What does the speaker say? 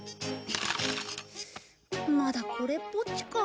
まだこれっぽっちか。